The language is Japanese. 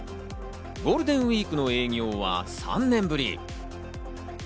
ゴールデンウイークの営業は３年ぶり。